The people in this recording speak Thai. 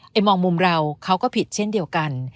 มองมุมเราเขาก็ผิดเช่นเดียวกัน